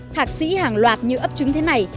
thạc sĩ hàng loạt như ấp chứng thế này